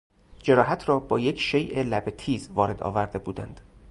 جراحت را با یک شی لبه تیز وارد آورده بودند.